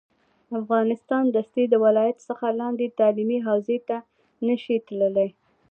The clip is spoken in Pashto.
افغانستان دستي د ولایت څخه لاندې تعلیمي حوزې ته نه شي تللی